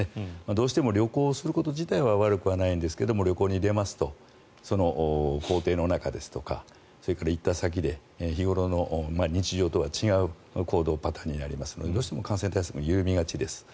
どうしても旅行すること自体は悪くないんですが旅行に出ますと行程の中ですとかそれから行った先で日頃の、日常とは違う行動パターンになりますのでどうしても感染対策も緩みがちです。